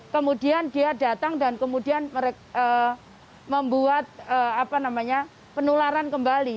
kemudian dia datang dan kemudian membuat penularan kembali